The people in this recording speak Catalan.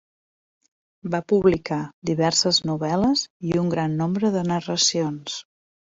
Va publicar diverses novel·les i un gran nombre de narracions.